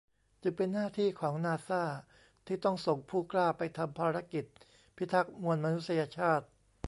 จึงเป็นหน้าที่ของนาซาที่ต้องส่งผู้กล้าไปทำภารกิจพิทักษ์มวลมนุษยชาติ